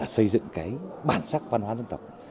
xây dựng bản sắc văn hóa dân tộc